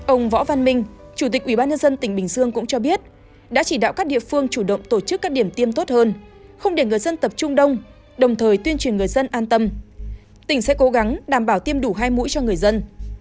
ông võ văn minh chủ tịch ubnd tỉnh bình dương cũng cho biết đã chỉ đạo các địa phương chủ động tổ chức các điểm tiêm tốt hơn không để người dân tập trung đông đồng thời tuyên truyền người dân an tâm tỉnh sẽ cố gắng đảm bảo tiêm đủ hai mũi cho người dân